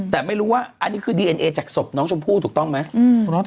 แต่ไม่รู้ว่าอันนี้คือดีเอ็นเอจากศพน้องชมพู่ถูกต้องไหม